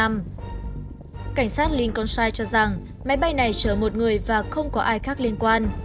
cảnh sát linkonshi cho rằng máy bay này chở một người và không có ai khác liên quan